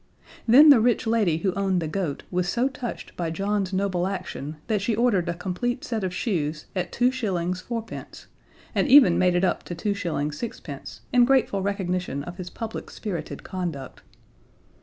Then the rich lady who owned the goat was so touched by John's noble action that she ordered a complete set of shoes at 2 shillings, 4 pence, and even made it up to 2 shillings, 6 pence, in grateful recognition of his public spirited conduct.